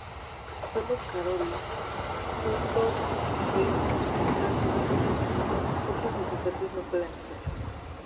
Solo Carolyn puede ver al fantasma, otros visitantes no pueden hacerlo.